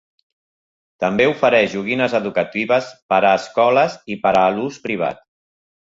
També ofereix joguines educatives per a escoles i per a l'ús privat.